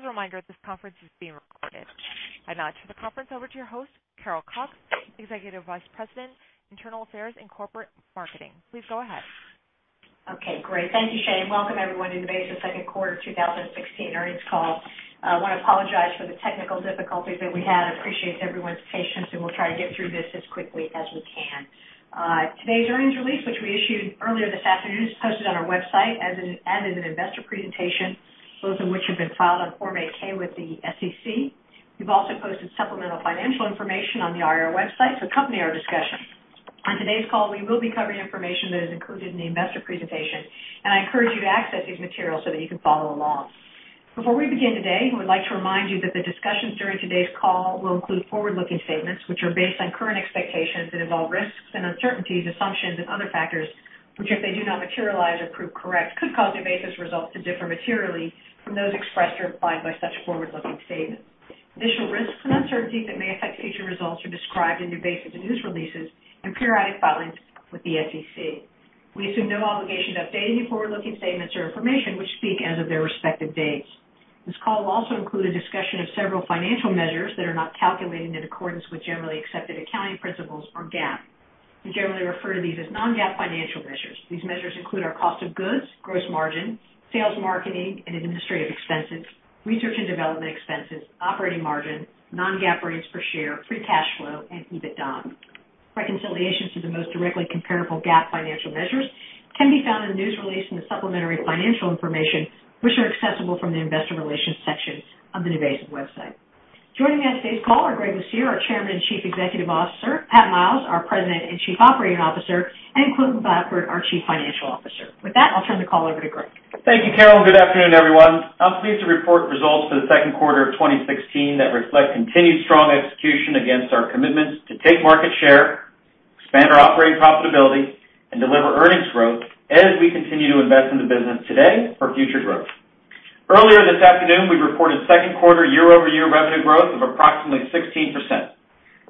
As a reminder, this conference is being recorded. I now turn the conference over to your host, Carol Cox, Executive Vice President, Internal Affairs and Corporate Marketing. Please go ahead. Okay, great. Thank you, Shane. Welcome, everyone, to today's Second Quarter of 2016 Earnings Call. I want to apologize for the technical difficulties that we had. I appreciate everyone's patience, and we'll try to get through this as quickly as we can. Today's earnings release, which we issued earlier this afternoon, is posted on our website as an investor presentation, both of which have been filed on Form 8-K with the SEC. We've also posted supplemental financial information on the IR website to accompany our discussion. On today's call, we will be covering information that is included in the investor presentation, and I encourage you to access these materials so that you can follow along. Before we begin today, we'd like to remind you that the discussions during today's call will include forward-looking statements, which are based on current expectations and involve risks and uncertainties, assumptions, and other factors which, if they do not materialize or prove correct, could cause NuVasive's results to differ materially from those expressed or implied by such forward-looking statements. Additional risks and uncertainties that may affect future results are described in NuVasive's news releases and periodic filings with the SEC. We assume no obligation to update any forward-looking statements or information which speak as of their respective dates. This call will also include a discussion of several financial measures that are not calculated in accordance with generally accepted accounting principles or GAAP. We generally refer to these as non-GAAP financial measures. These measures include our cost of goods, gross margin, sales margin and administrative expenses, research and development expenses, operating margin, non-GAAP rates per share, free cash flow, and EBITDA. Reconciliations to the most directly comparable GAAP financial measures can be found in the news release and the supplementary financial information, which are accessible from the investor relations section of the NuVasive website. Joining me on today's call are Greg Lucier, our Chairman and Chief Executive Officer, Pat Miles, our President and Chief Operating Officer, and Quentin Blackford, our Chief Financial Officer. With that, I'll turn the call over to Greg. Thank you, Carol. Good afternoon, everyone. I'm pleased to report results for the second quarter of 2016 that reflect continued strong execution against our commitments to take market share, expand our operating profitability, and deliver earnings growth as we continue to invest in the business today for future growth. Earlier this afternoon, we reported second quarter year-over-year revenue growth of approximately 16%.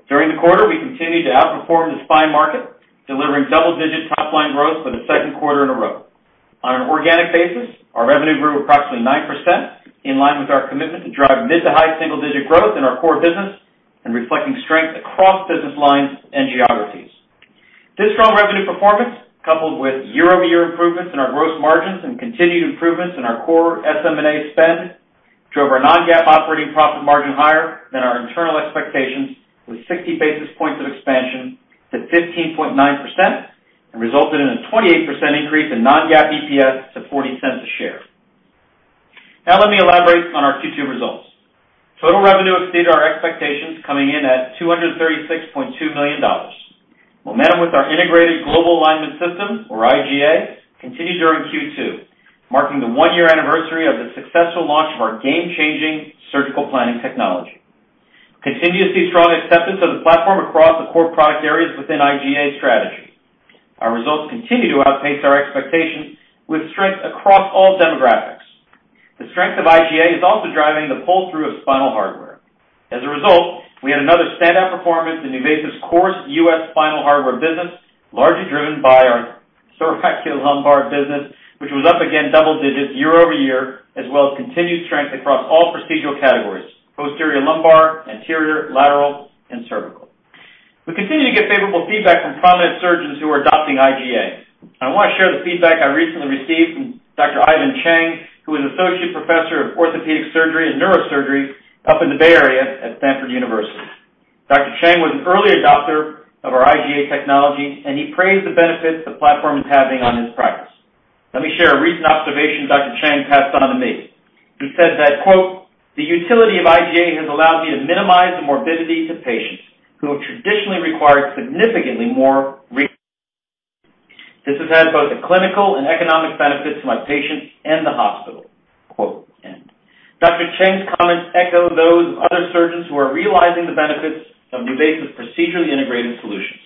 During the quarter, we continued to outperform the spine market, delivering double-digit top-line growth for the second quarter in a row. On an organic basis, our revenue grew approximately 9%, in line with our commitment to drive mid to high single-digit growth in our core business and reflecting strength across business lines and geographies. This strong revenue performance, coupled with year-over-year improvements in our gross margins and continued improvements in our core SM&A spend, drove our non-GAAP operating profit margin higher than our internal expectations, with 60 basis points of expansion to 15.9%, and resulted in a 28% increase in non-GAAP EPS to $0.40 a share. Now, let me elaborate on our Q2 results. Total revenue exceeded our expectations, coming in at $236.2 million. Momentum with our integrated global alignment system, or IGA, continued during Q2, marking the one-year anniversary of the successful launch of our game-changing surgical planning technology. We continue to see strong acceptance of the platform across the core product areas within IGA's strategy. Our results continue to outpace our expectations, with strength across all demographics. The strength of IGA is also driving the pull-through of spinal hardware. As a result, we had another standout performance in NuVasive's core U.S. spinal hardware business, largely driven by our thoracolumbar business, which was up again double digits year-over-year, as well as continued strength across all procedural categories: posterior lumbar, anterior, lateral, and cervical. We continue to get favorable feedback from prominent surgeons who are adopting IGA. I want to share the feedback I recently received from Dr. Ivan Cheng, who is Associate Professor of Orthopedic Surgery and Neurosurgery up in the Bay Area at Stanford University. Dr. Cheng was an early adopter of our IGA technology, and he praised the benefits the platform is having on his practice. Let me share a recent observation Dr. Cheng passed on to me. He said that, "The utility of IGA has allowed me to minimize the morbidity to patients who have traditionally required significantly more recommendations. This has had both the clinical and economic benefits to my patients and the hospital." Dr. Cheng's comments echo those of other surgeons who are realizing the benefits of NuVasive's procedurally integrated solutions.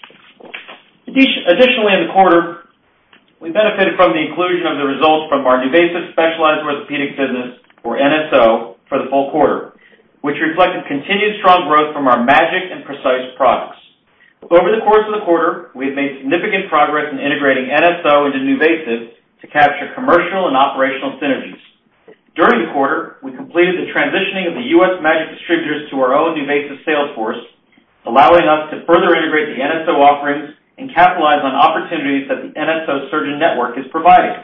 Additionally, in the quarter, we benefited from the inclusion of the results from our NuVasive Specialized Orthopedics business, or NSO, for the full quarter, which reflected continued strong growth from our MAGEC and PRECICE products. Over the course of the quarter, we have made significant progress in integrating NSO into NuVasive to capture commercial and operational synergies. During the quarter, we completed the transitioning of the U.S. MAGEC distributors to our own NuVasive Salesforce, allowing us to further integrate the NSO offerings and capitalize on opportunities that the NSO surgeon network is providing.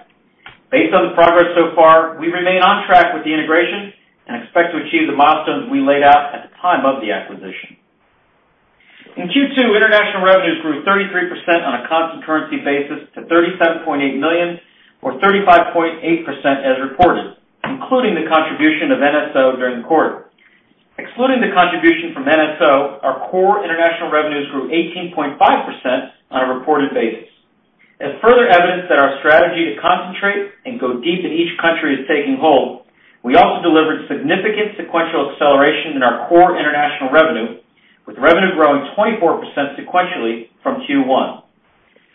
Based on the progress so far, we remain on track with the integration and expect to achieve the milestones we laid out at the time of the acquisition. In Q2, international revenues grew 33% on a constant currency basis to $37.8 million, or 35.8% as reported, including the contribution of NSO during the quarter. Excluding the contribution from NSO, our core international revenues grew 18.5% on a reported basis. As further evidence that our strategy to concentrate and go deep in each country is taking hold, we also delivered significant sequential acceleration in our core international revenue, with revenue growing 24% sequentially from Q1.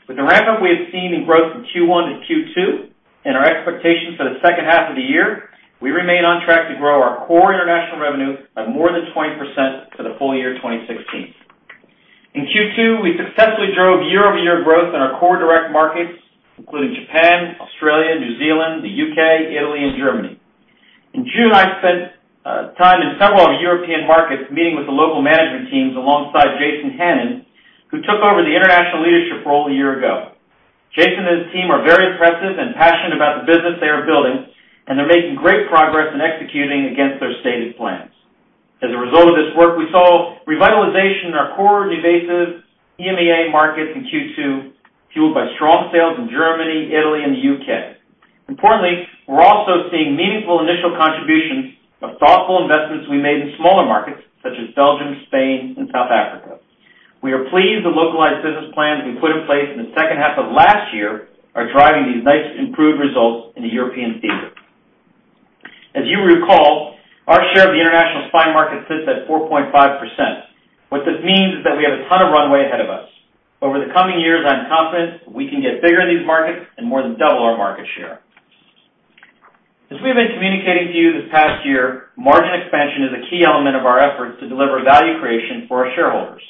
With the ramp-up we have seen in growth from Q1 to Q2 and our expectations for the second half of the year, we remain on track to grow our core international revenue by more than 20% for the full year 2016. In Q2, we successfully drove year-over-year growth in our core direct markets, including Japan, Australia, New Zealand, the U.K., Italy, and Germany. In June, I spent time in several of the European markets meeting with the local management teams alongside Jason Hannon, who took over the international leadership role a year ago. Jason and his team are very impressive and passionate about the business they are building, and they're making great progress in executing against their stated plans. As a result of this work, we saw revitalization in our core NuVasive EMEA markets in Q2, fueled by strong sales in Germany, Italy, and the U.K. Importantly, we're also seeing meaningful initial contributions of thoughtful investments we made in smaller markets such as Belgium, Spain, and South Africa. We are pleased the localized business plans we put in place in the second half of last year are driving these nice improved results in the European theater. As you recall, our share of the international spine market sits at 4.5%. What this means is that we have a ton of runway ahead of us. Over the coming years, I'm confident we can get bigger in these markets and more than double our market share. As we've been communicating to you this past year, margin expansion is a key element of our efforts to deliver value creation for our shareholders.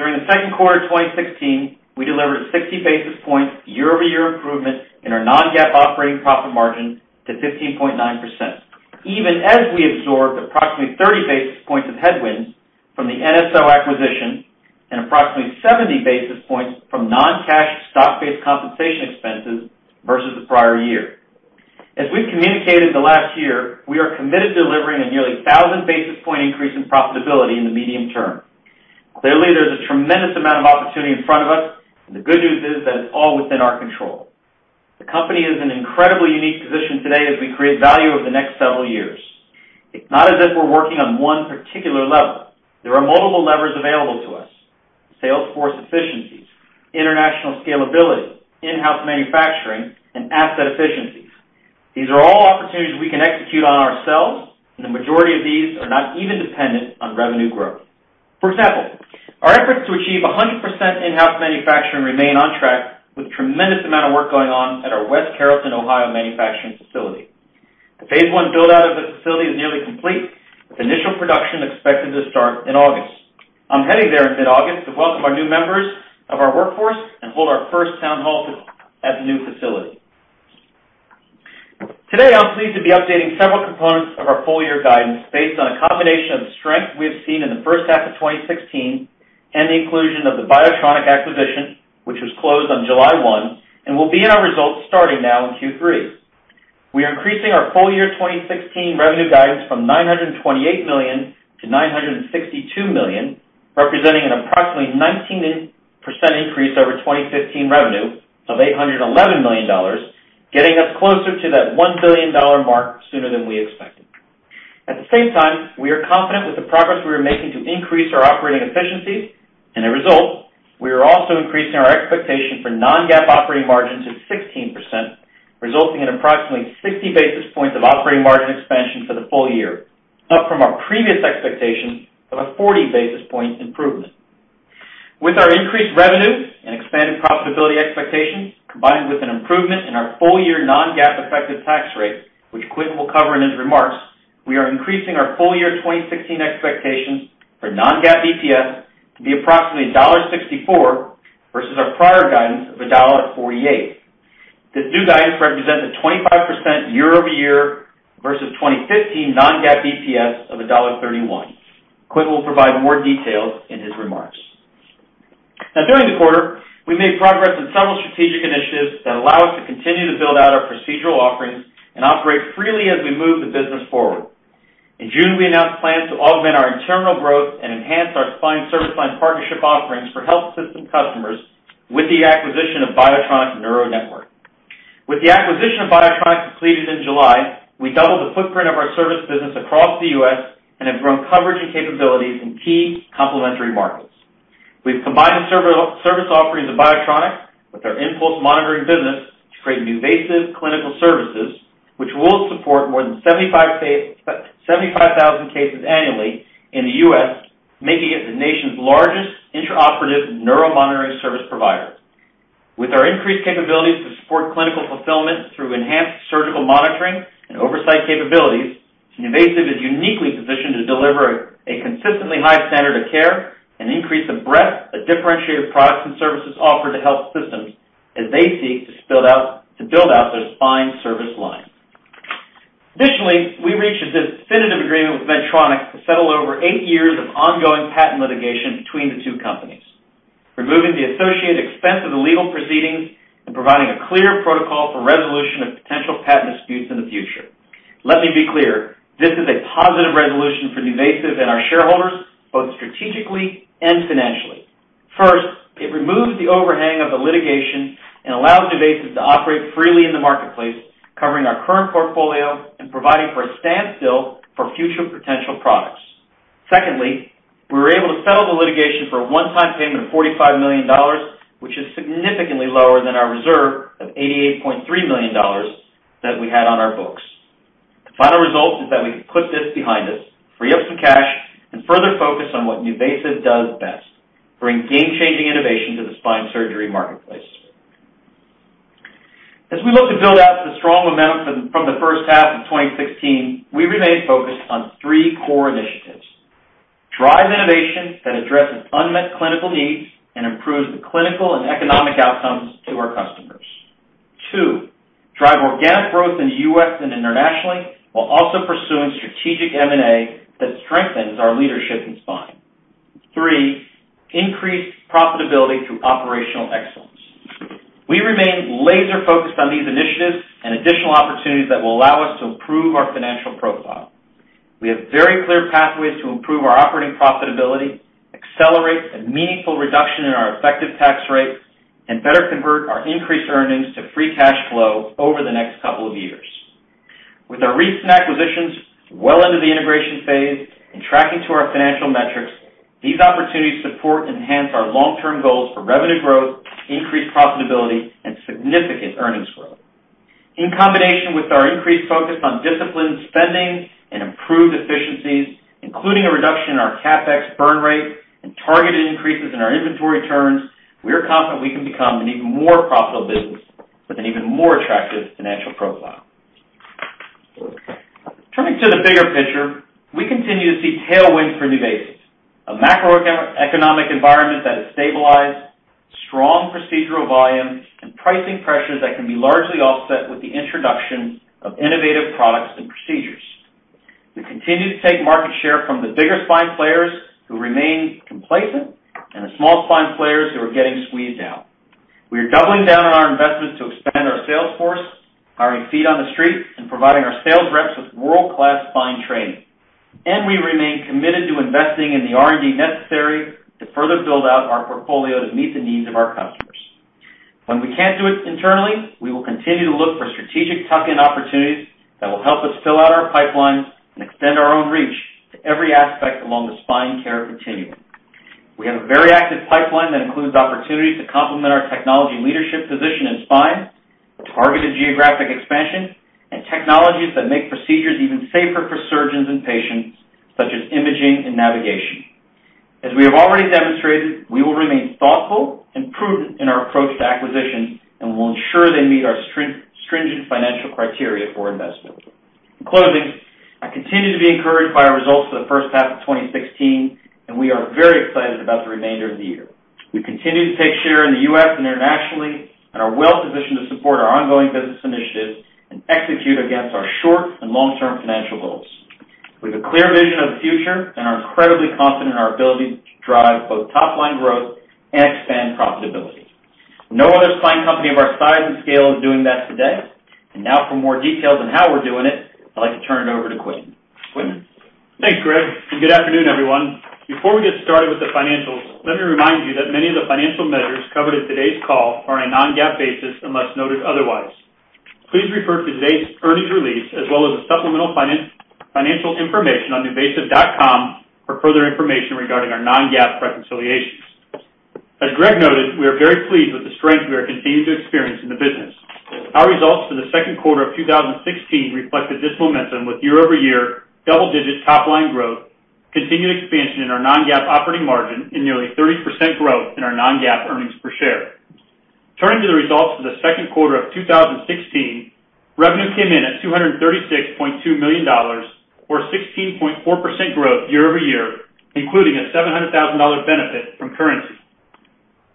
During the second quarter of 2016, we delivered a 60 basis point year-over-year improvement in our non-GAAP operating profit margin to 15.9%, even as we absorbed approximately 30 basis points of headwinds from the NSO acquisition and approximately 70 basis points from non-cash stock-based compensation expenses versus the prior year. As we've communicated the last year, we are committed to delivering a nearly 1,000 basis point increase in profitability in the medium term. Clearly, there's a tremendous amount of opportunity in front of us, and the good news is that it's all within our control. The company is in an incredibly unique position today as we create value over the next several years. It's not as if we're working on one particular level. There are multiple levers available to us: Salesforce efficiencies, international scalability, in-house manufacturing, and asset efficiencies. These are all opportunities we can execute on ourselves, and the majority of these are not even dependent on revenue growth. For example, our efforts to achieve 100% in-house manufacturing remain on track with a tremendous amount of work going on at our West Carrollton, Ohio, manufacturing facility. The phase one build-out of the facility is nearly complete, with initial production expected to start in August. I'm heading there in mid-August to welcome our new members of our workforce and hold our first town hall at the new facility. Today, I'm pleased to be updating several components of our full-year guidance based on a combination of strength we have seen in the first half of 2016 and the inclusion of the Biotronic acquisition, which was closed on July 1, and will be in our results starting now in Q3. We are increasing our full-year 2016 revenue guidance from $928 million to $962 million, representing an approximately 19% increase over 2015 revenue of $811 million, getting us closer to that $1 billion mark sooner than we expected. At the same time, we are confident with the progress we are making to increase our operating efficiencies, and as a result, we are also increasing our expectation for non-GAAP operating margin to 16%, resulting in approximately 60 basis points of operating margin expansion for the full year, up from our previous expectation of a 40 basis point improvement. With our increased revenue and expanded profitability expectations, combined with an improvement in our full-year non-GAAP effective tax rate, which Quentin will cover in his remarks, we are increasing our full-year 2016 expectations for non-GAAP EPS to be approximately $1.64 versus our prior guidance of $1.48. This new guidance represents a 25% year-over-year versus 2015 non-GAAP EPS of $1.31. Quentin will provide more details in his remarks. Now, during the quarter, we made progress in several strategic initiatives that allow us to continue to build out our procedural offerings and operate freely as we move the business forward. In June, we announced plans to augment our internal growth and enhance our spine service line partnership offerings for health system customers with the acquisition of Biotronic NeuroNetwork. With the acquisition of Biotronic completed in July, we doubled the footprint of our service business across the U.S. and have grown coverage and capabilities in key complementary markets. We've combined the service offerings of Biotronic with our impulse monitoring business to create NuVasive Clinical Services, which will support more than 75,000 cases annually in the U.S., making it the nation's largest intraoperative neuromonitoring service provider. With our increased capabilities to support clinical fulfillment through enhanced surgical monitoring and oversight capabilities, NuVasive is uniquely positioned to deliver a consistently high standard of care and increase the breadth of differentiated products and services offered to health systems as they seek to build out their spine service line. Additionally, we reached a definitive agreement with Medtronic to settle over eight years of ongoing patent litigation between the two companies, removing the associated expense of the legal proceedings and providing a clear protocol for resolution of potential patent disputes in the future. Let me be clear: this is a positive resolution for NuVasive and our shareholders, both strategically and financially. First, it removes the overhang of the litigation and allows NuVasive to operate freely in the marketplace, covering our current portfolio and providing for a standstill for future potential products. Secondly, we were able to settle the litigation for a one-time payment of $45 million, which is significantly lower than our reserve of $88.3 million that we had on our books. The final result is that we can put this behind us, free up some cash, and further focus on what NuVasive does best: bring game-changing innovation to the spine surgery marketplace. As we look to build out the strong momentum from the first half of 2016, we remain focused on three core initiatives: drive innovation that addresses unmet clinical needs and improves the clinical and economic outcomes to our customers; two, drive organic growth in the U.S. and internationally while also pursuing strategic M&A that strengthens our leadership in spine; three, increase profitability through operational excellence. We remain laser-focused on these initiatives and additional opportunities that will allow us to improve our financial profile. We have very clear pathways to improve our operating profitability, accelerate a meaningful reduction in our effective tax rate, and better convert our increased earnings to free cash flow over the next couple of years. With our recent acquisitions well into the integration phase and tracking to our financial metrics, these opportunities support and enhance our long-term goals for revenue growth, increased profitability, and significant earnings growth. In combination with our increased focus on disciplined spending and improved efficiencies, including a reduction in our CapEx burn rate and targeted increases in our inventory turns, we are confident we can become an even more profitable business with an even more attractive financial profile. Turning to the bigger picture, we continue to see tailwinds for NuVasive: a macroeconomic environment that has stabilized, strong procedural volume, and pricing pressures that can be largely offset with the introduction of innovative products and procedures. We continue to take market share from the bigger spine players who remain complacent and the small spine players who are getting squeezed out. We are doubling down on our investments to expand our Salesforce, hiring feet on the street and providing our sales reps with world-class spine training, and we remain committed to investing in the R&D necessary to further build out our portfolio to meet the needs of our customers. When we can't do it internally, we will continue to look for strategic tuck-in opportunities that will help us fill out our pipeline and extend our own reach to every aspect along the spine care continuum. We have a very active pipeline that includes opportunities to complement our technology leadership position in spine, targeted geographic expansion, and technologies that make procedures even safer for surgeons and patients, such as imaging and navigation. As we have already demonstrated, we will remain thoughtful and prudent in our approach to acquisitions and will ensure they meet our stringent financial criteria for investment. In closing, I continue to be encouraged by our results for the first half of 2016, and we are very excited about the remainder of the year. We continue to take share in the U.S. and internationally and are well-positioned to support our ongoing business initiatives and execute against our short and long-term financial goals. We have a clear vision of the future and are incredibly confident in our ability to drive both top-line growth and expand profitability. No other spine company of our size and scale is doing that today. For more details on how we're doing it, I'd like to turn it over to Quentin. Quentin? Thanks, Greg. Good afternoon, everyone. Before we get started with the financials, let me remind you that many of the financial measures covered in today's call are on a non-GAAP basis unless noted otherwise. Please refer to today's earnings release as well as the supplemental financial information on nuvasive.com for further information regarding our non-GAAP reconciliations. As Greg noted, we are very pleased with the strength we are continuing to experience in the business. Our results for the second quarter of 2016 reflected this momentum with year-over-year double-digit top-line growth, continued expansion in our non-GAAP operating margin, and nearly 30% growth in our non-GAAP earnings per share. Turning to the results for the second quarter of 2016, revenue came in at $236.2 million, or 16.4% growth year-over-year, including a $700,000 benefit from currency.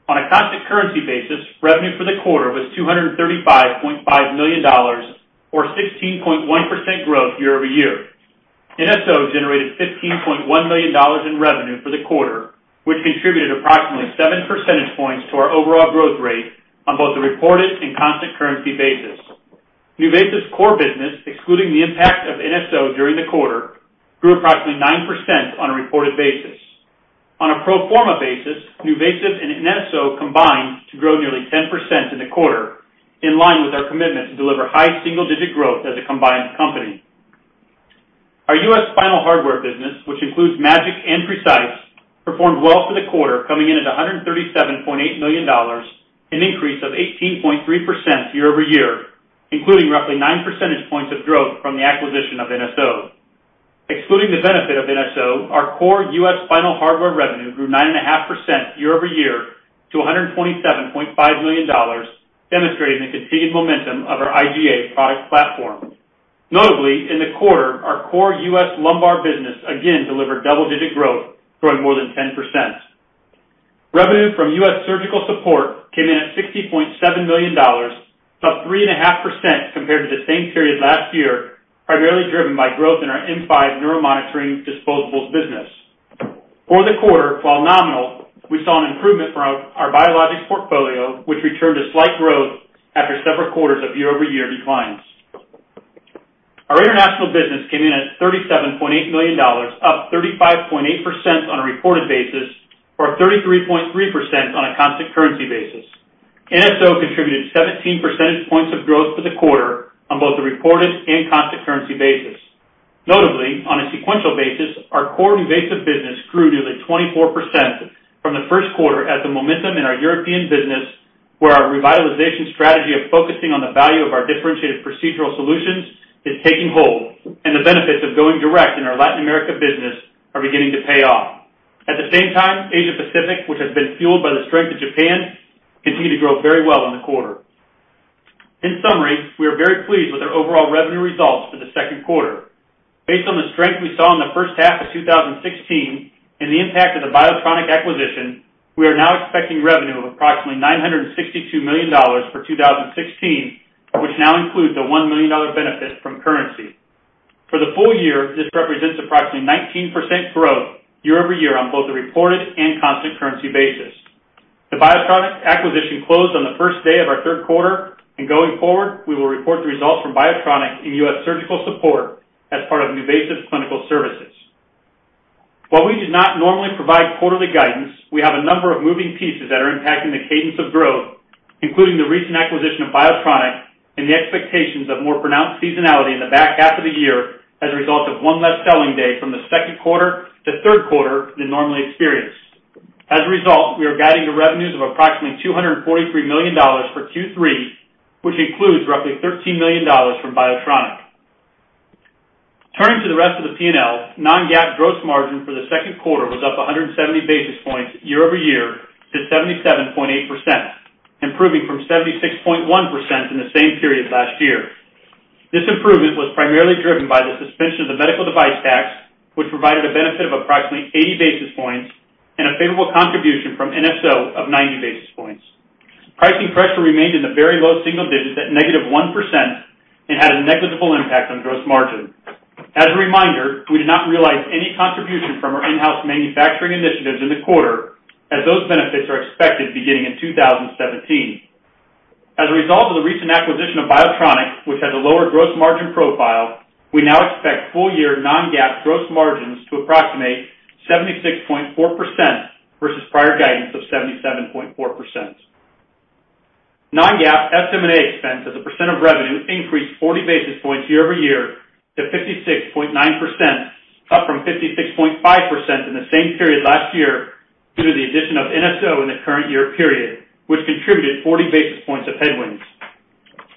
On a constant currency basis, revenue for the quarter was $235.5 million, or 16.1% growth year-over-year. NSO generated $15.1 million in revenue for the quarter, which contributed approximately 7 percentage points to our overall growth rate on both the reported and constant currency basis. NuVasive's core business, excluding the impact of NSO during the quarter, grew approximately 9% on a reported basis. On a pro forma basis, NuVasive and NSO combined to grow nearly 10% in the quarter, in line with our commitment to deliver high single-digit growth as a combined company. Our U.S. spinal hardware business, which includes MAGEC and PRECICE, performed well for the quarter, coming in at $137.8 million, an increase of 18.3% year-over-year, including roughly 9 percentage points of growth from the acquisition of NSO. Excluding the benefit of NSO, our core U.S. spinal hardware revenue grew 9.5% year-over-year to $127.5 million, demonstrating the continued momentum of our IGA product platform. Notably, in the quarter, our core U.S. lumbar business again delivered double-digit growth, growing more than 10%. Revenue from U.S. surgical support came in at $60.7 million, up 3.5% compared to the same period last year, primarily driven by growth in our NVM5 neuromonitoring disposables business. For the quarter, while nominal, we saw an improvement for our biologics portfolio, which returned a slight growth after several quarters of year-over-year declines. Our international business came in at $37.8 million, up 35.8% on a reported basis, or 33.3% on a constant currency basis. NSO contributed 17 percentage points of growth for the quarter on both the reported and constant currency basis. Notably, on a sequential basis, our core NuVasive business grew nearly 24% from the first quarter as the momentum in our European business, where our revitalization strategy of focusing on the value of our differentiated procedural solutions is taking hold, and the benefits of going direct in our Latin America business are beginning to pay off. At the same time, Asia-Pacific, which has been fueled by the strength of Japan, continued to grow very well in the quarter. In summary, we are very pleased with our overall revenue results for the second quarter. Based on the strength we saw in the first half of 2016 and the impact of the Biotronic acquisition, we are now expecting revenue of approximately $962 million for 2016, which now includes a $1 million benefit from currency. For the full year, this represents approximately 19% growth year-over-year on both the reported and constant currency basis. The Biotronic acquisition closed on the first day of our third quarter, and going forward, we will report the results from Biotronic and US surgical support as part of NuVasive Clinical Services. While we do not normally provide quarterly guidance, we have a number of moving pieces that are impacting the cadence of growth, including the recent acquisition of Biotronic and the expectations of more pronounced seasonality in the back half of the year as a result of one less selling day from the second quarter to third quarter than normally experienced. As a result, we are guiding to revenues of approximately $243 million for Q3, which includes roughly $13 million from Biotronic. Turning to the rest of the P&L, non-GAAP gross margin for the second quarter was up 170 basis points year-over-year to 77.8%, improving from 76.1% in the same period last year. This improvement was primarily driven by the suspension of the medical device tax, which provided a benefit of approximately 80 basis points and a favorable contribution from NSO of 90 basis points. Pricing pressure remained in the very low single digits at negative 1% and had a negligible impact on gross margin. As a reminder, we did not realize any contribution from our in-house manufacturing initiatives in the quarter, as those benefits are expected beginning in 2017. As a result of the recent acquisition of Biotronic, which has a lower gross margin profile, we now expect full-year non-GAAP gross margins to approximate 76.4% versus prior guidance of 77.4%. Non-GAAP estimated expense as a percent of revenue increased 40 basis points year-over-year to 56.9%, up from 56.5% in the same period last year due to the addition of NSO in the current year period, which contributed 40 basis points of headwinds.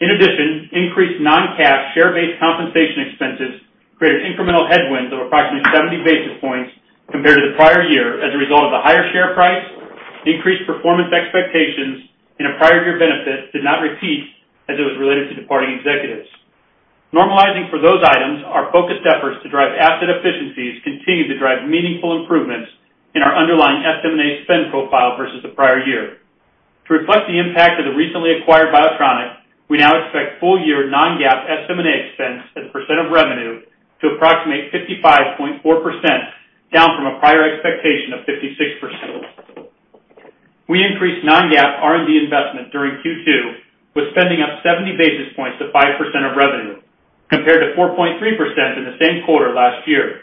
In addition, increased non-cash share-based compensation expenses created incremental headwinds of approximately 70 basis points compared to the prior year as a result of the higher share price. Increased performance expectations and a prior-year benefit did not repeat as it was related to departing executives. Normalizing for those items, our focused efforts to drive asset efficiencies continued to drive meaningful improvements in our underlying estimated expense profile versus the prior year. To reflect the impact of the recently acquired Biotronic, we now expect full-year non-GAAP estimated expense as a percent of revenue to approximate 55.4%, down from a prior expectation of 56%. We increased non-GAAP R&D investment during Q2, with spending up 70 basis points to 5% of revenue, compared to 4.3% in the same quarter last year.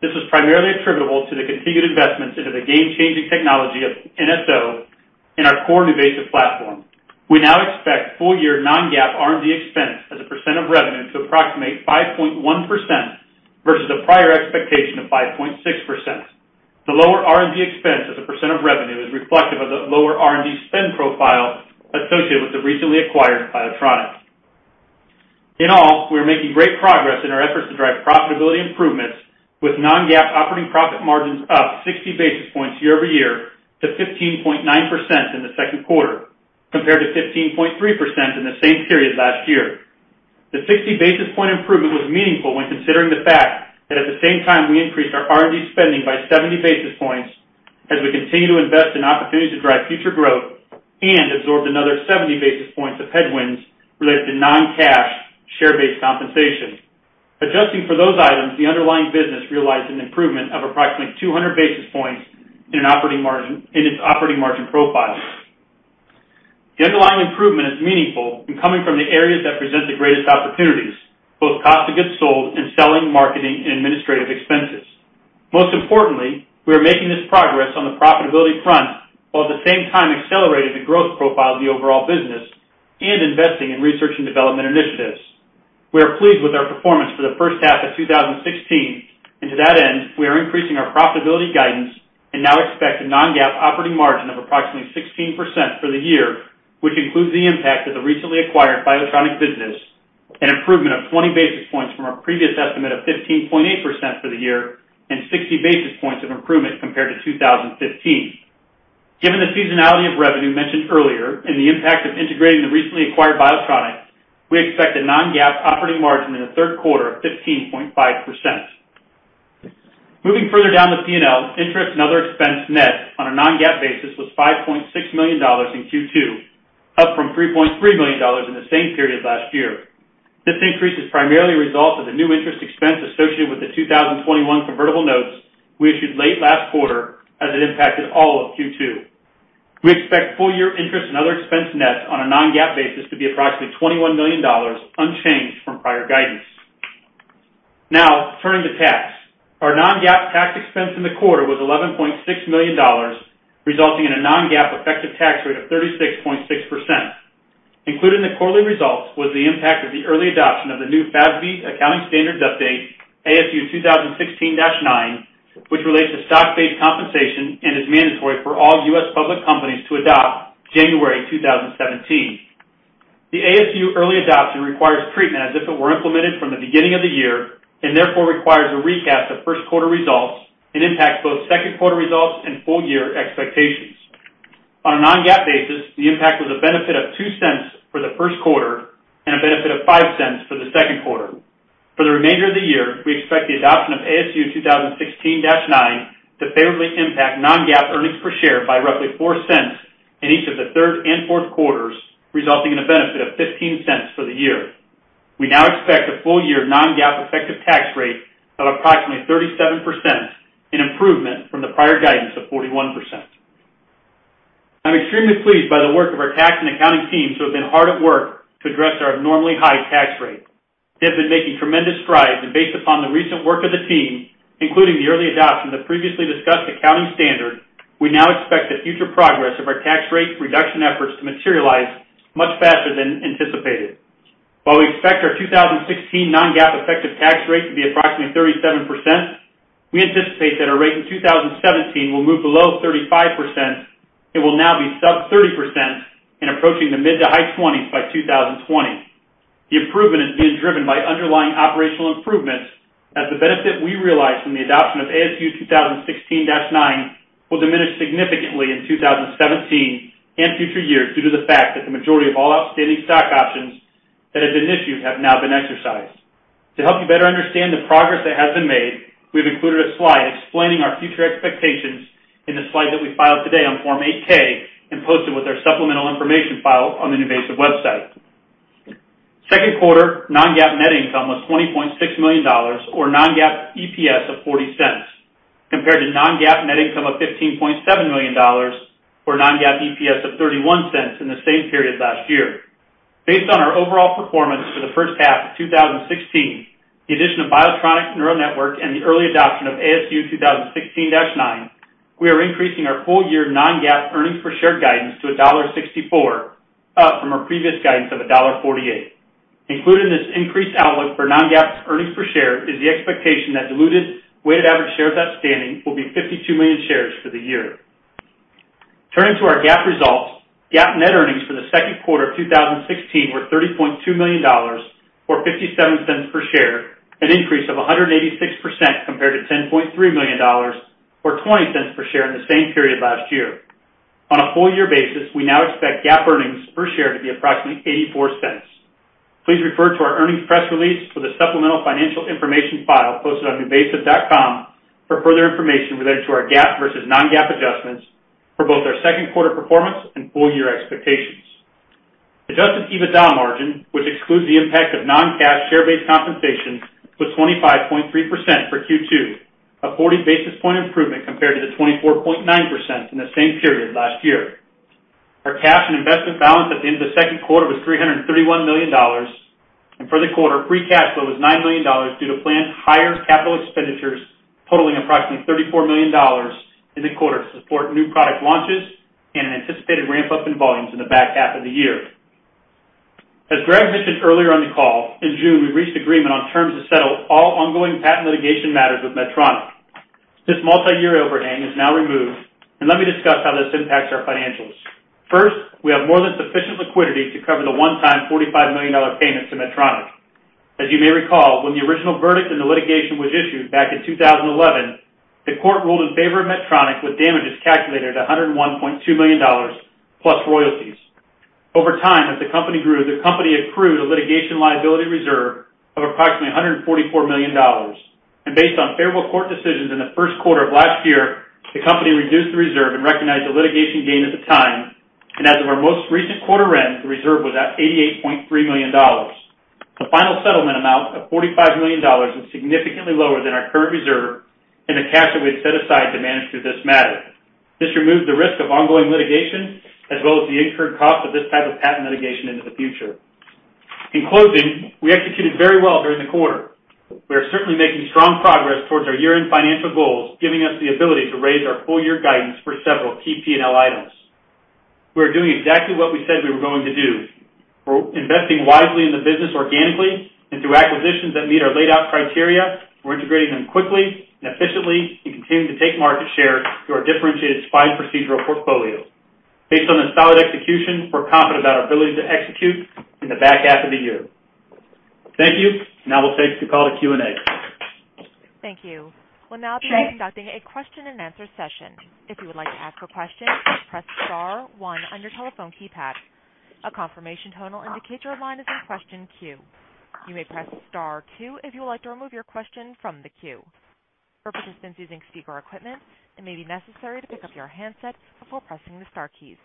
This was primarily attributable to the continued investments into the game-changing technology of NSO and our core NuVasive platform. We now expect full-year non-GAAP R&D expense as a percent of revenue to approximate 5.1% versus the prior expectation of 5.6%. The lower R&D expense as a percent of revenue is reflective of the lower R&D spend profile associated with the recently acquired Biotronic NeuroNetwork. In all, we are making great progress in our efforts to drive profitability improvements, with non-GAAP operating profit margins up 60 basis points year-over-year to 15.9% in the second quarter, compared to 15.3% in the same period last year. The 60 basis point improvement was meaningful when considering the fact that at the same time we increased our R&D spending by 70 basis points as we continue to invest in opportunities to drive future growth and absorbed another 70 basis points of headwinds related to non-cash share-based compensation. Adjusting for those items, the underlying business realized an improvement of approximately 200 basis points in its operating margin profile. The underlying improvement is meaningful and coming from the areas that present the greatest opportunities, both cost of goods sold and selling, marketing, and administrative expenses. Most importantly, we are making this progress on the profitability front while at the same time accelerating the growth profile of the overall business and investing in research and development initiatives. We are pleased with our performance for the first half of 2016, and to that end, we are increasing our profitability guidance and now expect a non-GAAP operating margin of approximately 16% for the year, which includes the impact of the recently acquired Biotronic NeuroNetwork business, an improvement of 20 basis points from our previous estimate of 15.8% for the year and 60 basis points of improvement compared to 2015. Given the seasonality of revenue mentioned earlier and the impact of integrating the recently acquired Biotronic, we expect a non-GAAP operating margin in the third quarter of 15.5%. Moving further down the P&L, interest and other expense net on a non-GAAP basis was $5.6 million in Q2, up from $3.3 million in the same period last year. This increase is primarily a result of the new interest expense associated with the 2021 convertible notes we issued late last quarter as it impacted all of Q2. We expect full-year interest and other expense net on a non-GAAP basis to be approximately $21 million unchanged from prior guidance. Now, turning to tax, our non-GAAP tax expense in the quarter was $11.6 million, resulting in a non-GAAP effective tax rate of 36.6%. Included in the quarterly results was the impact of the early adoption of the new FASB accounting standards update, ASU 2016-9, which relates to stock-based compensation and is mandatory for all U.S. public companies to adopt January 2017. The ASU early adoption requires treatment as if it were implemented from the beginning of the year and therefore requires a recap of first quarter results and impacts both second quarter results and full-year expectations. On a non-GAAP basis, the impact was a benefit of $0.02 for the first quarter and a benefit of $0.05 for the second quarter. For the remainder of the year, we expect the adoption of ASU 2016-9 to favorably impact non-GAAP earnings per share by roughly $0.04 in each of the third and fourth quarters, resulting in a benefit of $0.15 for the year. We now expect a full-year non-GAAP effective tax rate of approximately 37%, an improvement from the prior guidance of 41%. I'm extremely pleased by the work of our tax and accounting teams who have been hard at work to address our abnormally high tax rate. They have been making tremendous strides, and based upon the recent work of the team, including the early adoption of the previously discussed accounting standard, we now expect the future progress of our tax rate reduction efforts to materialize much faster than anticipated. While we expect our 2016 non-GAAP effective tax rate to be approximately 37%, we anticipate that our rate in 2017 will move below 35% and will now be sub-30% and approaching the mid to high 20s by 2020. The improvement is being driven by underlying operational improvements, as the benefit we realized from the adoption of ASU 2016-9 will diminish significantly in 2017 and future years due to the fact that the majority of all outstanding stock options that have been issued have now been exercised. To help you better understand the progress that has been made, we have included a slide explaining our future expectations in the slide that we filed today on Form 8K and posted with our supplemental information file on the NuVasive website. Second quarter non-GAAP net income was $20.6 million, or non-GAAP EPS of $0.40, compared to non-GAAP net income of $15.7 million, or non-GAAP EPS of $0.31 in the same period last year. Based on our overall performance for the first half of 2016, the addition of Biotronic NeuroNetwork and the early adoption of ASU 2016-9, we are increasing our full-year non-GAAP earnings per share guidance to $1.64, up from our previous guidance of $1.48. Included in this increased outlook for non-GAAP earnings per share is the expectation that diluted weighted average shares outstanding will be 52 million shares for the year. Turning to our GAAP results, GAAP net earnings for the second quarter of 2016 were $30.2 million, or $0.57 per share, an increase of 186% compared to $10.3 million, or $0.20 per share in the same period last year. On a full-year basis, we now expect GAAP earnings per share to be approximately $0.84. Please refer to our earnings press release for the supplemental financial information file posted on nuvasive.com for further information related to our GAAP versus non-GAAP adjustments for both our second quarter performance and full-year expectations. Adjusted EBITDA margin, which excludes the impact of non-cash share-based compensation, was 25.3% for Q2, a 40 basis point improvement compared to the 24.9% in the same period last year. Our cash and investment balance at the end of the second quarter was $331 million, and for the quarter, free cash flow was $9 million due to planned higher capital expenditures totaling approximately $34 million in the quarter to support new product launches and an anticipated ramp-up in volumes in the back half of the year. As Greg mentioned earlier on the call, in June, we reached agreement on terms to settle all ongoing patent litigation matters with Medtronic. This multi-year overhang is now removed, and let me discuss how this impacts our financials. First, we have more than sufficient liquidity to cover the one-time $45 million payment to Medtronic. As you may recall, when the original verdict in the litigation was issued back in 2011, the court ruled in favor of Medtronic with damages calculated at $101.2 million plus royalties. Over time, as the company grew, the company accrued a litigation liability reserve of approximately $144 million, and based on favorable court decisions in the first quarter of last year, the company reduced the reserve and recognized the litigation gain at the time, and as of our most recent quarter end, the reserve was at $88.3 million. The final settlement amount of $45 million is significantly lower than our current reserve and the cash that we had set aside to manage through this matter. This removed the risk of ongoing litigation as well as the incurred cost of this type of patent litigation into the future. In closing, we executed very well during the quarter. We are certainly making strong progress towards our year-end financial goals, giving us the ability to raise our full-year guidance for several key P&L items. We are doing exactly what we said we were going to do. We're investing wisely in the business organically and through acquisitions that meet our laid-out criteria. We're integrating them quickly and efficiently and continuing to take market share through our differentiated spine procedural portfolio. Based on this solid execution, we're confident about our ability to execute in the back half of the year. Thank you, and I will take the call to Q&A. Thank you. We'll now be conducting a question-and-answer session. If you would like to ask a question, press star one on your telephone keypad. A confirmation tone will indicate your line is in the question queue. You may press star two if you would like to remove your question from the queue. For participants using speaker equipment, it may be necessary to pick up your handset before pressing the star keys.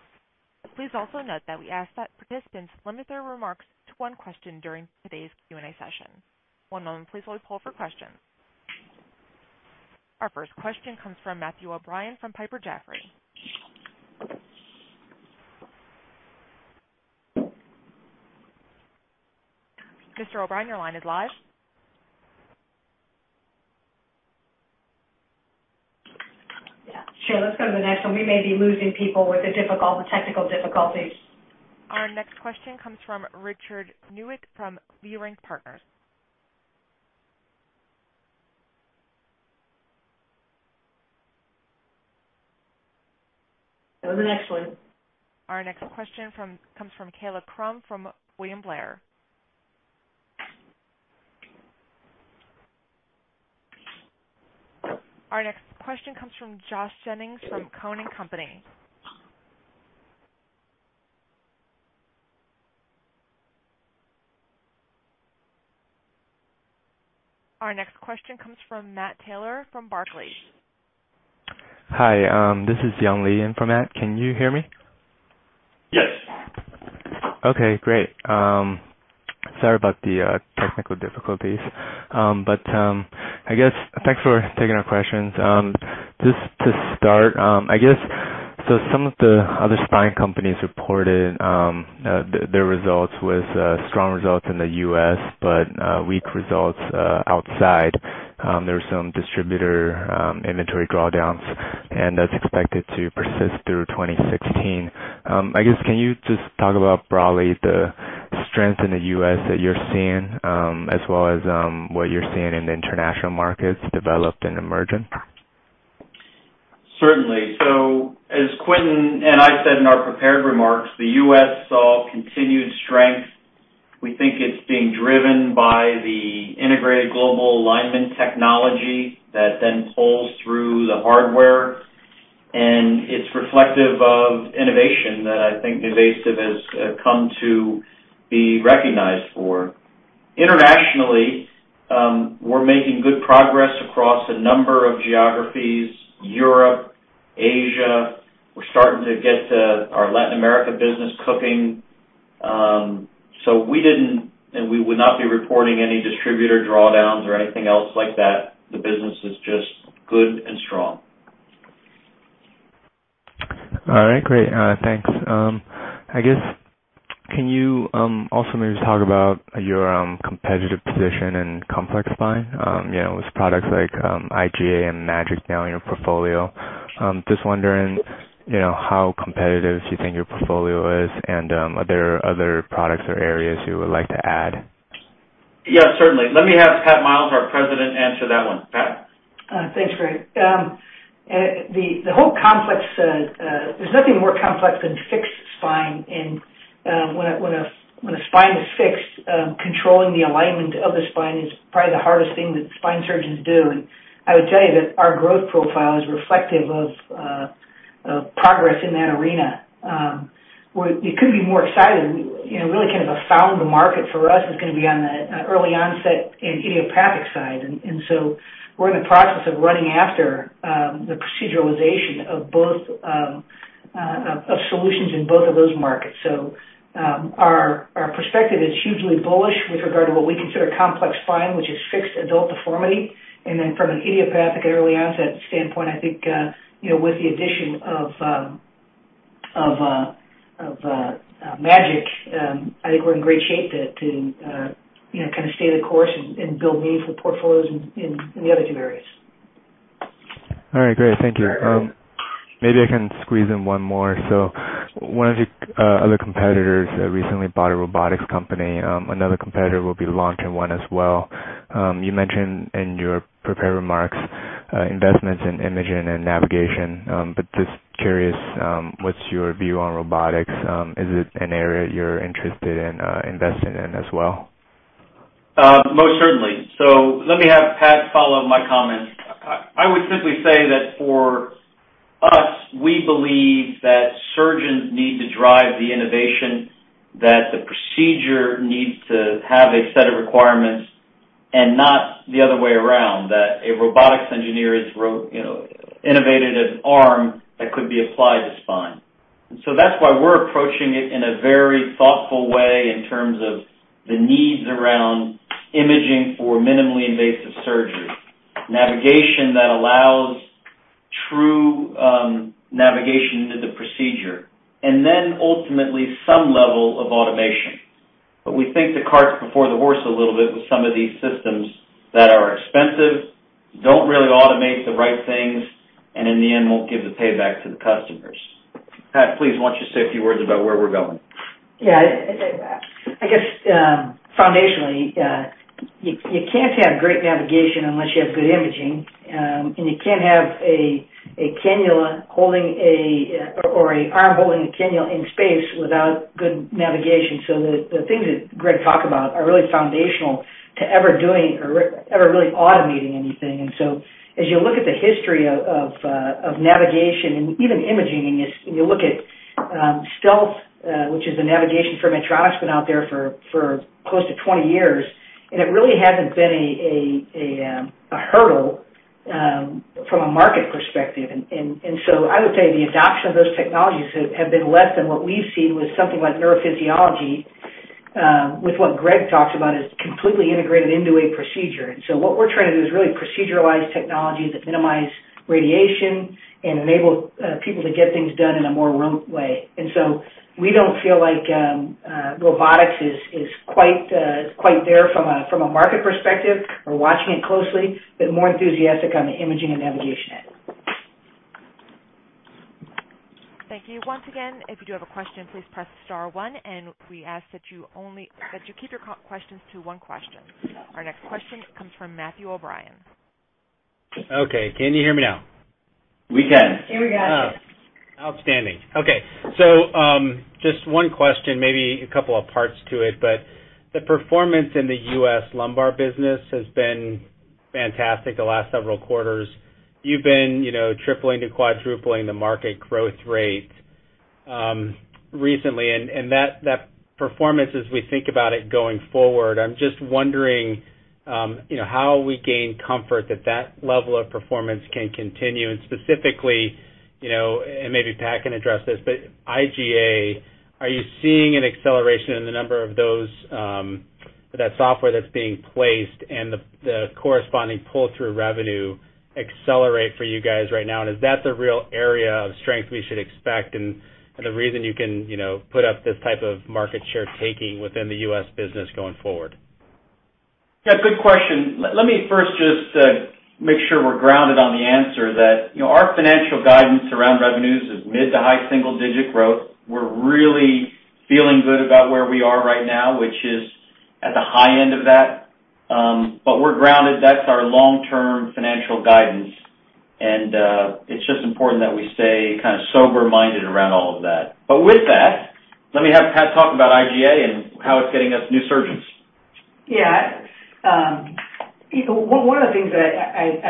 Please also note that we ask that participants limit their remarks to one question during today's Q&A session. One moment, please, while we pull up our questions. Our first question comes from Matthew O'Brien from Piper Jaffray. Mr. O'Brien, your line is live. Yeah. Sure, let's go to the next one. We may be losing people with the technical difficulties. Our next question comes from Richard Nuit from V-Rank Partners. Go to the next one. Our next question comes from Kayla Crumb from William Blair. Our next question comes from Josh Jennings from Cowen. Our next question comes from Matt Taylor from Barclays. Hi, this is Yong Li Yang from Matt. Can you hear me? Yes. Okay, great. Sorry about the technical difficulties, but I guess thanks for taking our questions. Just to start, I guess, so some of the other spine companies reported their results with strong results in the U.S., but weak results outside. There were some distributor inventory drawdowns, and that's expected to persist through 2016. I guess, can you just talk about broadly the strength in the U.S. that you're seeing, as well as what you're seeing in the international markets developed and emerging? Certainly. As Quentin and I said in our prepared remarks, the U.S. saw continued strength. We think it's being driven by the integrated global alignment technology that then pulls through the hardware, and it's reflective of innovation that I think NuVasive has come to be recognized for. Internationally, we're making good progress across a number of geographies: Europe, Asia. We're starting to get our Latin America business cooking. We didn't, and we would not be reporting any distributor drawdowns or anything else like that. The business is just good and strong. All right, great. Thanks. I guess, can you also maybe talk about your competitive position in complex spine with products like IGA and MAGEC now in your portfolio? Just wondering how competitive you think your portfolio is and are there other products or areas you would like to add? Yeah, certainly. Let me have Pat Miles, our President, answer that one. Pat? Thanks, Greg. The whole complex, there's nothing more complex than fixed spine. When a spine is fixed, controlling the alignment of the spine is probably the hardest thing that spine surgeons do. I would tell you that our growth profile is reflective of progress in that arena. We couldn't be more excited. Really, kind of a found market for us is going to be on the early onset and idiopathic side. We are in the process of running after the proceduralization of solutions in both of those markets. Our perspective is hugely bullish with regard to what we consider complex spine, which is fixed adult deformity. From an idiopathic and early onset standpoint, I think with the addition of MAGEC, I think we're in great shape to kind of stay the course and build meaningful portfolios in the other two areas. All right, great. Thank you. Maybe I can squeeze in one more. One of the other competitors recently bought a robotics company. Another competitor will be launching one as well. You mentioned in your prepared remarks investments in imaging and navigation, but just curious, what's your view on robotics? Is it an area you're interested in investing in as well? Most certainly. Let me have Pat follow up my comments. I would simply say that for us, we believe that surgeons need to drive the innovation, that the procedure needs to have a set of requirements, and not the other way around, that a robotics engineer has innovated an arm that could be applied to spine. That is why we are approaching it in a very thoughtful way in terms of the needs around imaging for minimally invasive surgery, navigation that allows true navigation into the procedure, and then ultimately some level of automation. We think the cart is before the horse a little bit with some of these systems that are expensive, do not really automate the right things, and in the end, will not give the payback to the customers. Pat, please, why do you not say a few words about where we are going? Yeah. I guess foundationally, you can't have great navigation unless you have good imaging, and you can't have a cannula or an arm holding a cannula in space without good navigation. The things that Greg talked about are really foundational to ever doing or ever really automating anything. As you look at the history of navigation and even imaging, and you look at StealthStation, which is the navigation for Medtronic, it's been out there for close to 20 years, and it really hasn't been a hurdle from a market perspective. I would say the adoption of those technologies has been less than what we've seen with something like neurophysiology, with what Greg talks about as completely integrated into a procedure. What we're trying to do is really proceduralize technologies that minimize radiation and enable people to get things done in a more rote way. We do not feel like robotics is quite there from a market perspective. We are watching it closely, but more enthusiastic on the imaging and navigation end. Thank you. Once again, if you do have a question, please press star one, and we ask that you keep your questions to one question. Our next question comes from Matthew O'Brien. Okay. Can you hear me now? We can. Here we go. Outstanding. Okay. Just one question, maybe a couple of parts to it, but the performance in the U.S. lumbar business has been fantastic the last several quarters. You've been tripling to quadrupling the market growth rate recently, and that performance, as we think about it going forward, I'm just wondering how we gain comfort that that level of performance can continue. Specifically, and maybe Pat can address this, but IGA, are you seeing an acceleration in the number of those, that software that's being placed and the corresponding pull-through revenue accelerate for you guys right now? Is that the real area of strength we should expect and the reason you can put up this type of market share taking within the U.S. business going forward? Yeah, good question. Let me first just make sure we're grounded on the answer that our financial guidance around revenues is mid to high single-digit growth. We're really feeling good about where we are right now, which is at the high end of that. We're grounded. That's our long-term financial guidance, and it's just important that we stay kind of sober-minded around all of that. With that, let me have Pat talk about IGA and how it's getting us new surgeons. Yeah. One of the things that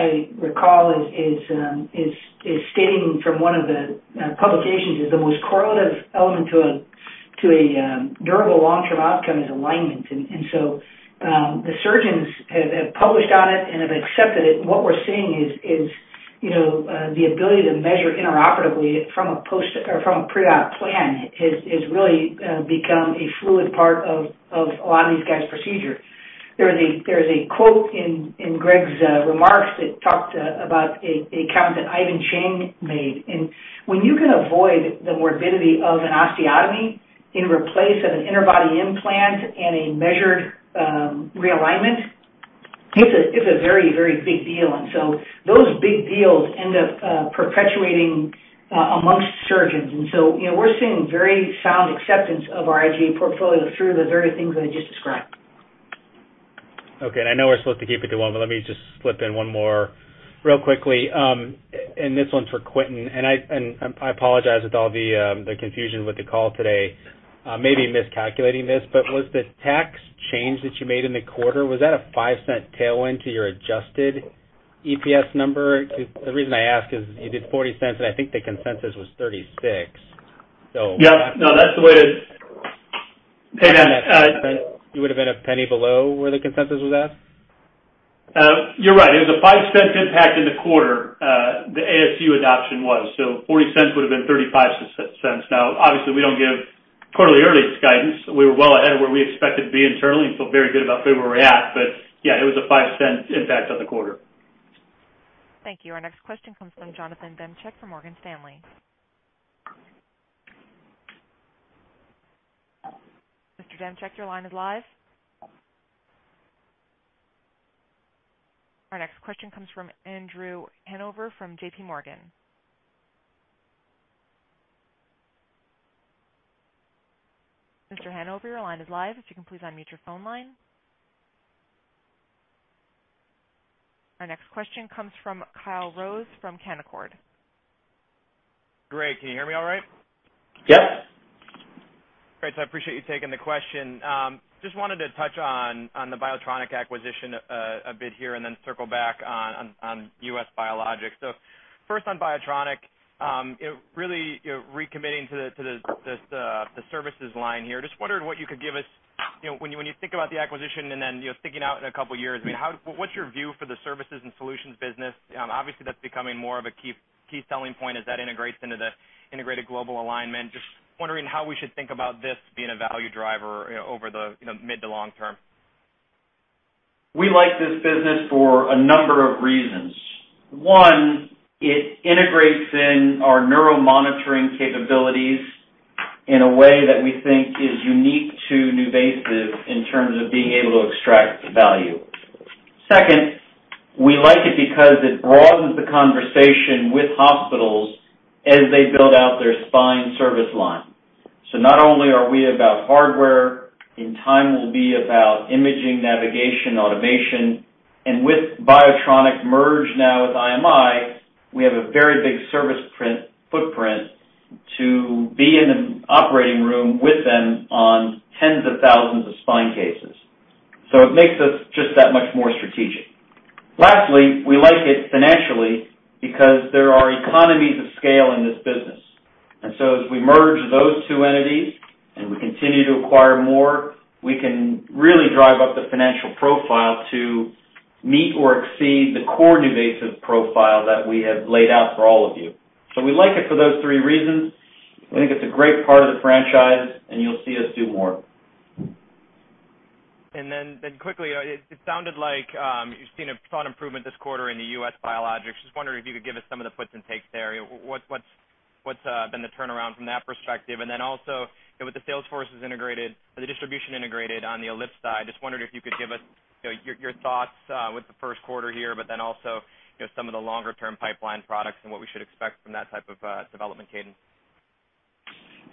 I recall is stating from one of the publications is the most correlative element to a durable long-term outcome is alignment. The surgeons have published on it and have accepted it. What we're seeing is the ability to measure intraoperatively from a pre-op plan has really become a fluid part of a lot of these guys' procedure. There is a quote in Greg's remarks that talked about a comment that Dr. Ivan Cheng made. When you can avoid the morbidity of an osteotomy in replace of an interbody implant and a measured realignment, it's a very, very big deal. Those big deals end up perpetuating amongst surgeons. We're seeing very sound acceptance of our IGA portfolio through the very things that I just described. Okay. I know we're supposed to keep it to one, but let me just slip in one more real quickly. This one's for Quentin. I apologize with all the confusion with the call today, maybe miscalculating this, but was the tax change that you made in the quarter, was that a 5% tailwind to your adjusted EPS number? The reason I ask is you did $0.40, and I think the consensus was $0.36. Yeah. No, that's the way to. Hey, Matt. You would have been a penny below where the consensus was at? You're right. It was a $0.05 impact in the quarter. The ASU adoption was. So $0.40 would have been $0.35. Now, obviously, we don't give quarterly earnings guidance. We were well ahead of where we expected to be internally and feel very good about where we're at. Yeah, it was a $0.05 impact on the quarter. Thank you. Our next question comes from Jonathan Demcheck from Morgan Stanley. Mr. Demcheck, your line is live. Our next question comes from Andrew Hanover from JP Morgan. Mr. Hanover, your line is live. If you can please unmute your phone line. Our next question comes from Kyle Rose from Canaccord. Greg, can you hear me all right? Yep. Great. I appreciate you taking the question. Just wanted to touch on the Biotronic acquisition a bit here and then circle back on U.S. Biologic. First on Biotronic, really recommitting to the services line here. Just wondered what you could give us when you think about the acquisition and then thinking out in a couple of years. I mean, what's your view for the services and solutions business? Obviously, that's becoming more of a key selling point as that integrates into the integrated global alignment. Just wondering how we should think about this being a value driver over the mid to long term. We like this business for a number of reasons. One, it integrates in our neuromonitoring capabilities in a way that we think is unique to NuVasive in terms of being able to extract value. Second, we like it because it broadens the conversation with hospitals as they build out their spine service line. Not only are we about hardware, in time we'll be about imaging, navigation, automation. With Biotronic merged now with IMI, we have a very big service footprint to be in the operating room with them on tens of thousands of spine cases. It makes us just that much more strategic. Lastly, we like it financially because there are economies of scale in this business. As we merge those two entities and we continue to acquire more, we can really drive up the financial profile to meet or exceed the core NuVasive profile that we have laid out for all of you. We like it for those three reasons. We think it's a great part of the franchise, and you'll see us do more. It sounded like you've seen a ton of improvement this quarter in the U.S. Biologics. Just wondering if you could give us some of the puts and takes there. What's been the turnaround from that perspective? Also, with the sales forces integrated, the distribution integrated on the ellipse side, just wondering if you could give us your thoughts with the first quarter here, but also some of the longer-term pipeline products and what we should expect from that type of development cadence.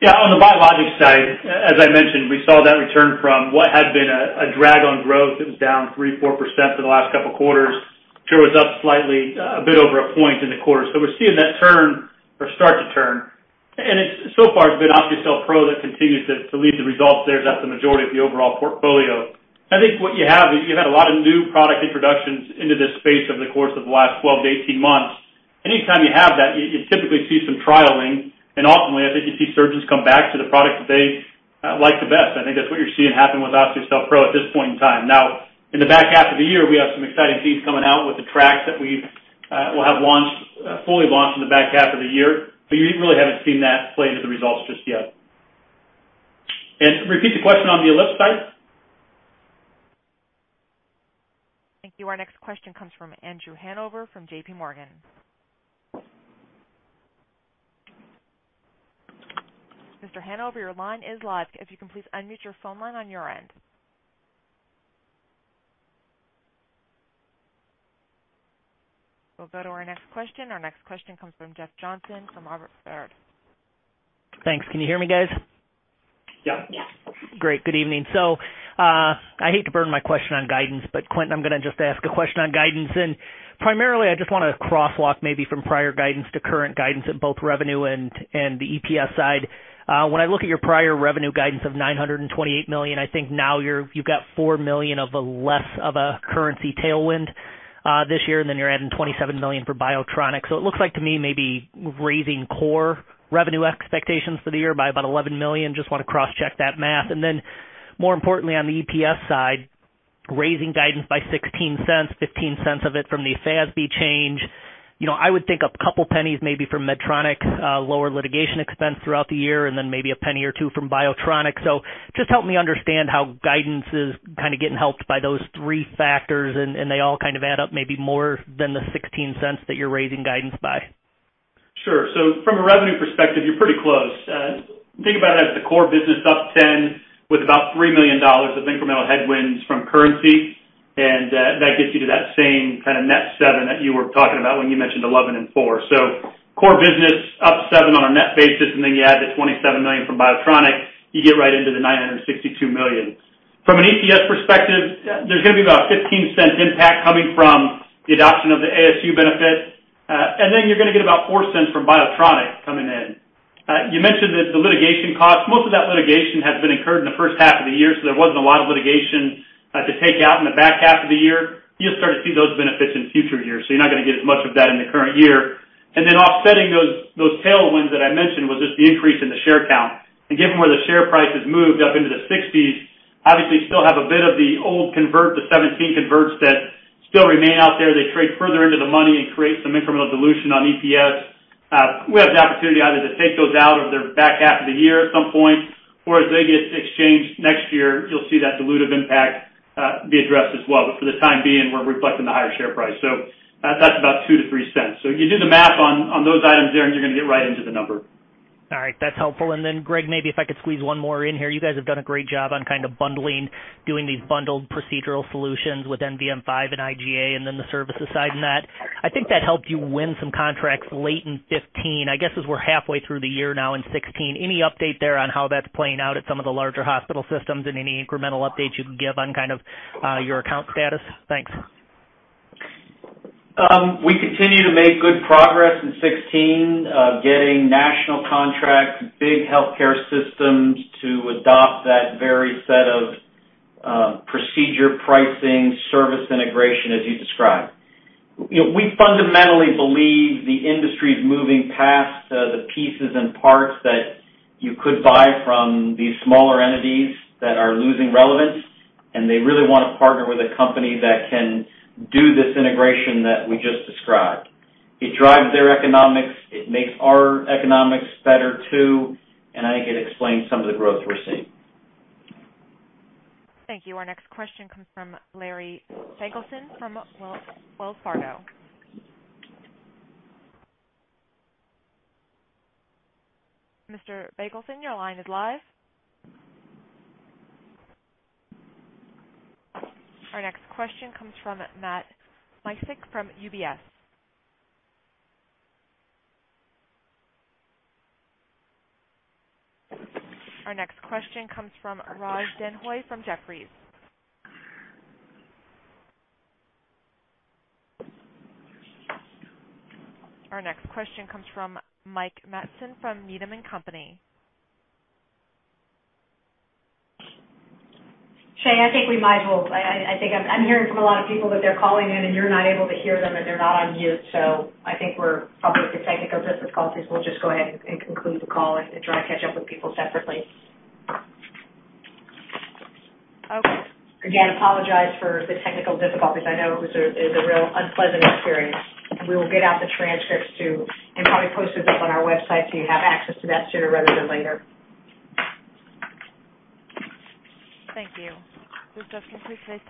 Yeah. On the Biologics side, as I mentioned, we saw that return from what had been a drag on growth. It was down 3-4% for the last couple of quarters. Sure, it was up slightly, a bit over a point in the quarter. We are seeing that turn or start to turn. So far, it's been OptiCell PRO that continues to lead the results there as that's the majority of the overall portfolio. I think what you have, you've had a lot of new product introductions into this space over the course of the last 12 to 18 months. Anytime you have that, you typically see some trialing, and ultimately, I think you see surgeons come back to the product that they like the best. I think that's what you're seeing happen with OptiCell PRO at this point in time. Now, in the back half of the year, we have some exciting things coming out with the AttraX that we will have fully launched in the back half of the year. You really have not seen that play into the results just yet. Repeat the question on the Ellipse side. Thank you. Our next question comes from Andrew Hanover from JP Morgan. Mr. Hanover, your line is live. If you can please unmute your phone line on your end. We'll go to our next question. Our next question comes from Jeff Johnson from Baird. Thanks. Can you hear me, guys? Yep. Yes. Great. Good evening. I hate to burn my question on guidance, but Quentin, I'm going to just ask a question on guidance. Primarily, I just want to crosswalk maybe from prior guidance to current guidance at both revenue and the EPS side. When I look at your prior revenue guidance of $928 million, I think now you've got $4 million of less of a currency tailwind this year, and then you're adding $27 million for Biotronic. It looks like to me maybe raising core revenue expectations for the year by about $11 million. Just want to cross-check that math. More importantly, on the EPS side, raising guidance by $0.16, $0.15 of it from the FASB change. I would think a couple pennies maybe for Medtronic, lower litigation expense throughout the year, and then maybe a penny or two from Biotronic. Just help me understand how guidance is kind of getting helped by those three factors, and they all kind of add up maybe more than the $0.16 that you're raising guidance by. Sure. From a revenue perspective, you're pretty close. Think about it as the core business up 10 with about $3 million of incremental headwinds from currency, and that gets you to that same kind of net 7 that you were talking about when you mentioned 11 and 4. Core business up 7 basis points on a net basis, and then you add the $27 million from Biotronic, you get right into the $962 million. From an EPS perspective, there's going to be about a $0.15 impact coming from the adoption of the ASU benefit, and then you're going to get about $0.04 from Biotronic coming in. You mentioned that the litigation cost, most of that litigation has been incurred in the first half of the year, so there wasn't a lot of litigation to take out in the back half of the year. You'll start to see those benefits in future years, so you're not going to get as much of that in the current year. Offsetting those tailwinds that I mentioned was just the increase in the share count. Given where the share price has moved up into the $60s, obviously still have a bit of the old convert, the 2017 converts that still remain out there. They trade further into the money and create some incremental dilution on EPS. We have the opportunity either to take those out of there back half of the year at some point, or as they get exchanged next year, you'll see that dilutive impact be addressed as well. For the time being, we're reflecting the higher share price. That's about $0.02-$0.03 You do the math on those items there, and you're going to get right into the number. All right. That's helpful. Greg, maybe if I could squeeze one more in here. You guys have done a great job on kind of bundling, doing these bundled procedural solutions with NVM5 and IGA and then the services side in that. I think that helped you win some contracts late in 2015. I guess as we're halfway through the year now in 2016, any update there on how that's playing out at some of the larger hospital systems and any incremental updates you can give on kind of your account status? Thanks. We continue to make good progress in 2016, getting national contracts, big healthcare systems to adopt that very set of procedure pricing, service integration as you describe. We fundamentally believe the industry is moving past the pieces and parts that you could buy from these smaller entities that are losing relevance, and they really want to partner with a company that can do this integration that we just described. It drives their economics. It makes our economics better too, and I think it explains some of the growth we're seeing. Thank you. Our next question comes from Larry Biegelsen from Wells Fargo. Mr. Biegelsen, your line is live. Our next question comes from Matt Miksic from UBS. Our next question comes from Raj Denhoy from Jefferies. Our next question comes from Mike Matson from Needham & Company. Shane, I think we might hold. I think I'm hearing from a lot of people that they're calling in, and you're not able to hear them, and they're not on mute. I think we're probably with the technical difficulties. We'll just go ahead and conclude the call and try to catch up with people separately. Okay. Again, apologize for the technical difficulties. I know it was a real unpleasant experience. We will get out the transcripts too and probably post those up on our website so you have access to that sooner rather than later. Thank you. This does conclude today's.